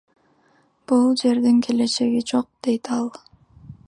Бул жердин келечеги жок, — дейт ал.